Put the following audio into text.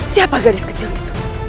siapa gadis kecil itu